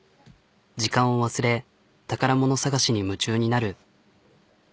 時間を忘れ宝物探しに夢中になる。